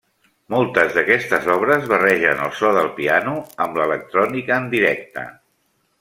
Moltes d’aquestes obres barregen el so del piano amb l'electrònica en directe.